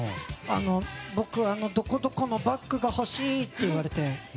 僕、どこどこのバッグが欲しい！って言われて。